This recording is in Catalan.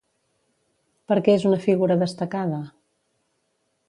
Per què és una figura destacada?